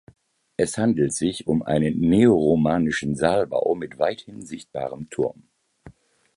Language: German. Es handelt sich um einen neoromanischen Saalbau mit weithin sichtbarem Turm.